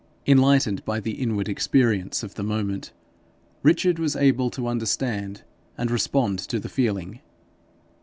Enlightened by the inward experience of the moment, Richard was able to understand and respond to the feeling.